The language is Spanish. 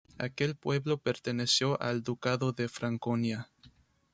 Aquel pueblo perteneció al Ducado de Franconia.